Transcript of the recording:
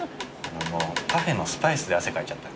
パフェのスパイスで汗かいちゃった。